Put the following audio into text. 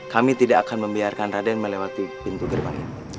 kami tidak akan membiarkan raden melewati pintu gerbang